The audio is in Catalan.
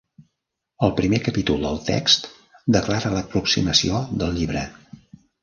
El primer capítol del text declara l'aproximació del llibre.